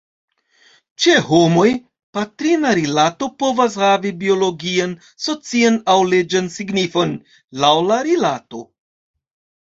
Ĉe homoj, patrina rilato povas havi biologian, socian, aŭ leĝan signifon, laŭ la rilato.